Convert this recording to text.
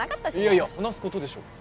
いやいや話すことでしょ